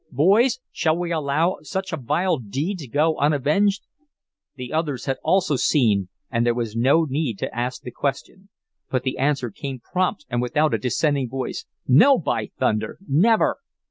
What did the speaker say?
Boys, shall we allow such a vile deed to go unavenged?" The others had also seen, and there was no need to ask the question. But the answer came prompt and without a dissenting voice: "No, by thunder! Never!"